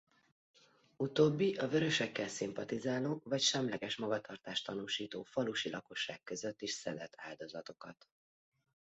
Utóbbi a vörösökkel szimpatizáló vagy semleges magatartást tanúsító falusi lakosság között is szedett áldozatokat.